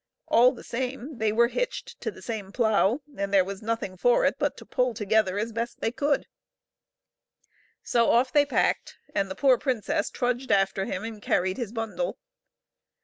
All the same, they were hitched to the same plough, and there was nothing for it but to pull together the best they could. So off they packed, and the poor princess trudged after him and carried his bundle.